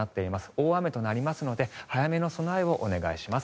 大雨となりますので早めの備えをお願いします。